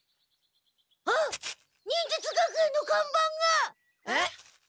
あっ忍術学園のかんばんが！えっ？